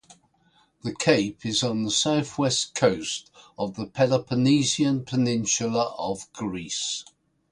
The cape is on the south-west coast of the Peloponnesian peninsula of Greece.